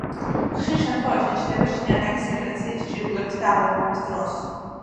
ხშირ შემთხვევაში ჩნდება შინაგანი სეკრეციის ჯირკვლების დაავადებების დროს.